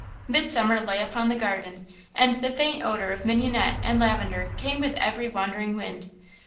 Midsummer lay upon the garden and the faint odour of mignonette and lavender came with every wandering wind.